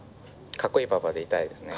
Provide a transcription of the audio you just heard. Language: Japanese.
かっこいいパパでいたいですね。